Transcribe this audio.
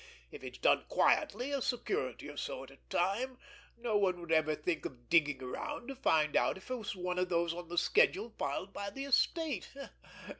If it's done quietly, a security or so at a time, no one would ever think of digging around to find out if it was one of those on the schedule filed by the estate.